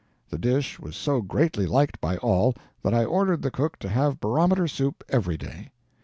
The dish was so greatly liked by all, that I ordered the cook to have barometer soup every day.